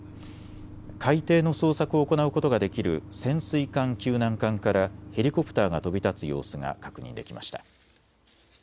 海底の捜索を行うことができる潜水艦救難艦からヘリコプターが飛び立つ様子が確認できました。